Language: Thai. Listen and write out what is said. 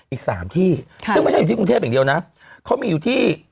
อีก๓ที่ซึ่งไม่ใช่อยู่ที่กรุงเทพอย่างเดียวนะเขามีอยู่ที่